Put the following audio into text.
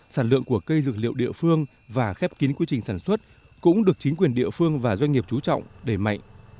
sản lượng của cây dược liệu địa phương và khép kín quy trình sản xuất cũng được chính quyền địa phương và doanh nghiệp trú trọng đẩy mạnh